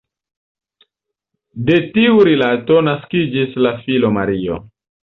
De tiu rilato naskiĝis la filo Mario.